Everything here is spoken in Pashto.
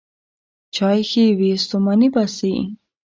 چای ښې وې، ستوماني باسي.